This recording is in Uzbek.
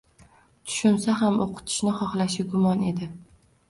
Tushunsa ham o'qitishni xohlashi gumon edi